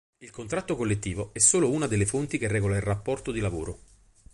Il contratto collettivo è solo una delle fonti che regola il rapporto di lavoro.